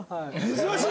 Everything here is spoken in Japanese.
珍しいね。